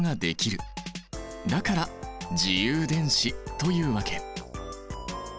だから「自由電子」というわけ！